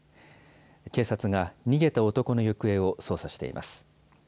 警察が逃げた男の行方を捜査しています。